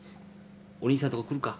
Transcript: お兄さんのとこ来るか？